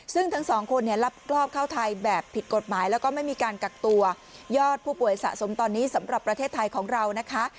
ซึ่งทั้งสองคนเนี่ยลักลอบเข้าไทยแบบผิดกฎหมายแล้วก็ไม่มีการกักตัวยอดผู้ป่วยสะสมตอนนี้สำหรับประเทศไทยของเรานะคะ